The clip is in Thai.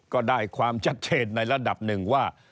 ก็ได้ความชัดเจนในระดับหนึ่งว่า